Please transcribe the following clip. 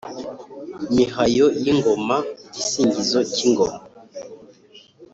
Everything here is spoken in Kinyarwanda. mihayo y’ingoma: igisingizo k’ingoma